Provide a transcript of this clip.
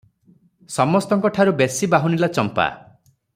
ସମସ୍ତଙ୍କଠାରୁ ବେଶି ବାହୁନିଲା ଚମ୍ପା ।